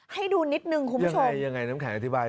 ให้ดูนิดหนึ่งคุณผู้ชมยังไงยังไงน้ำแขนอธิบาย